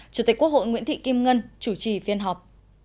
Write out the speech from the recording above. chủ tịch quốc hội nguyễn thị kim ngân chủ trì phiên họp